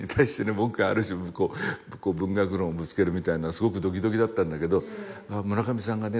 僕がある種文学論をぶつけるみたいなすごくドキドキだったんだけど村上さんがね